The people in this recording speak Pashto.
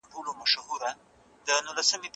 زه تکړښت کړی دی!.